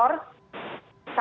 karena area area tersebut